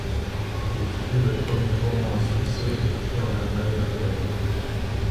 Il fut le premier roman à succès écrit en Allemagne après la guerre.